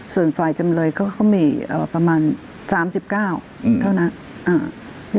ส่วนฝ่ายจำเลยก็มีประมาณ๓๙เท่านั้น